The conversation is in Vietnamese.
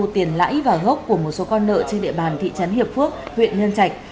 tiền lãi và gốc của một số con nợ trên địa bàn thị trấn hiệp phước huyện nhân trạch